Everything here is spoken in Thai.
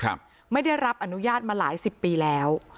ไม่ได้รับอนุญาตมาหลายสิบปีแล้ว